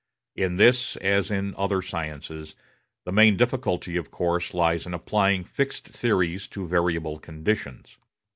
In this, as in other sciences, the main difficulty, of course, lies in applying fixed theories to variable conditions.